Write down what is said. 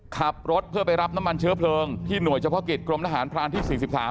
ขับรถเพื่อไปรับน้ำมันเชื้อเพลิงที่หน่วยเฉพาะกิจกรมทหารพรานที่๔๓